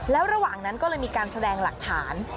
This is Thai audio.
แล้วระหว่างนั้นก็เลยมีการแสดงหลักฐาน